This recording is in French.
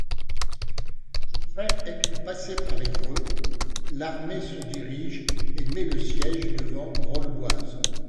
Après être passé par Évreux, l'armée se dirige et met le siège devant Rolleboise.